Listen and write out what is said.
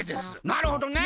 なるほどね。